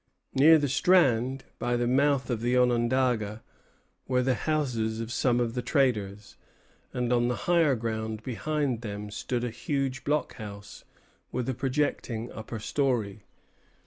Near the strand, by the mouth of the Onondaga, were the houses of some of the traders; and on the higher ground behind them stood a huge block house with a projecting upper story.